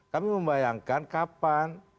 kami membayangkan kapan